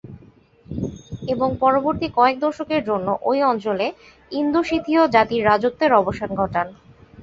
এবং পরবর্তী কয়েক দশকের জন্য ঐ অঞ্চলে ইন্দো-সিথিয় জাতির রাজত্বের অবসান ঘটান।